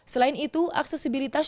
selain itu aksesibilitas